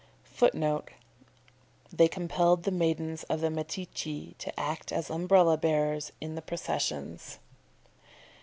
[Footnote: "They compelled the maidens of the Metceci to act as umbrella bearers in the processions."